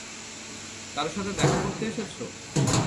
কারো সাথে দেখা করতে এসেছ?